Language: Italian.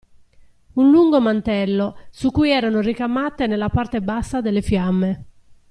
Un lungo mantello, su cui erano ricamate nella parte bassa delle fiamme.